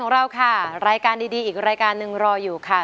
เราค่ะรายการดีอีกรายการหนึ่งรออยู่ค่ะ